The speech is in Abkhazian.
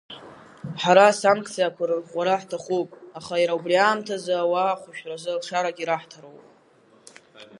Ҳара асанкциақәа рырӷәӷәара ҳҭахуп, аха иара убри аамҭазы ауаа ахәышәтәразы алшарагьы раҳҭароуп.